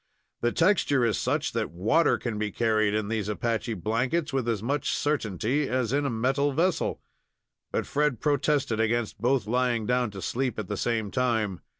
The texture is such that water can be carried in these Apache blankets with as much certainty as in a metal vessel. But Fred protested against both lying down to sleep at the same time.